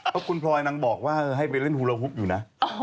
เพราะคุณพลอยนางบอกว่าให้ไปเล่นฮูโลฮุบอยู่นะ